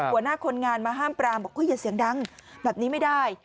หัวหน้าคนงานมาห้ามปรามบอกอย่าเสียงดังแบบนี้ไม่ได้